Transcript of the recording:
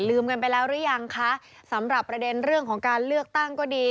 กันไปแล้วหรือยังคะสำหรับประเด็นเรื่องของการเลือกตั้งก็ดี